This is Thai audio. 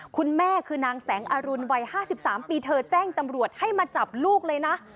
คุณแม่คือนางแสงอรุณวัย๕๓ปีเธอแจ้งตำรวจให้มาจับลูกเลยนะ